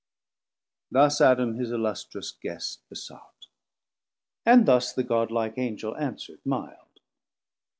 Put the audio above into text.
Thus Adam his illustrous Guest besought: And thus the Godlike Angel answerd milde.